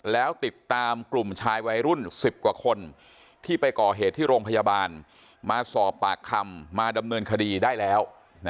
แล้วติดตามกลุ่มชายวัยรุ่น๑๐กว่าคนที่ไปก่อเหตุที่โรงพยาบาลมาสอบปากคำมาดำเนินคดีได้แล้ว